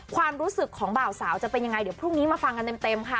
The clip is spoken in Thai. ความรู้สึกของบ่าวสาวจะเป็นยังไงเดี๋ยวพรุ่งนี้มาฟังกันเต็มค่ะ